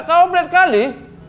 muka kau belet kali